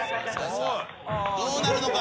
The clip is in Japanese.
どうなるのか？